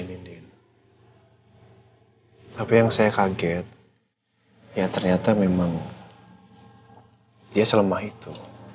hai tapi yang saya kaget ya ternyata memang dia selama itu